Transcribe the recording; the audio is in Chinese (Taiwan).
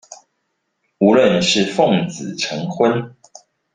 無論是奉子成婚